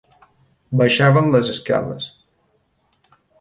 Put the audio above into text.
Baixaven les escales.